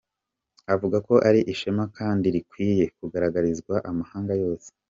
Avuga ko ari ishema kandi rikwiye kugaragarizwa amahanga yose.